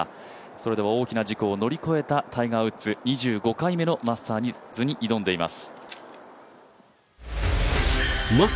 それでは大きな事故を乗り越えたタイガー・ウッズ２５回目のマスターズに挑んでいます。